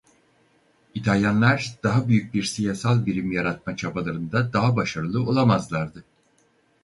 İtalyanlar daha büyük bir siyasal birim yaratma çabalarında daha başarılı olamazlardı.